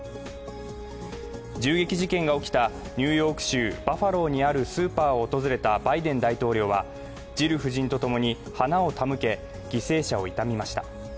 銃撃事件が起きたニューヨーク州バファローにあるスーパーを訪れたバイデン大統領は、ジル夫人とともに花を手向け、犠牲者を悼みました。